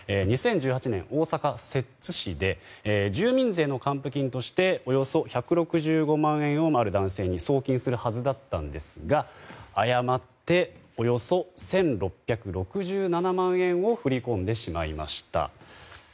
２０１８年、大阪・摂津市で住民税の還付金としておよそ１６５万円をある男性に送金するはずだったんですが誤っておよそ１６６７万円を振り込んでしまいました。